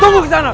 tunggu kisah nak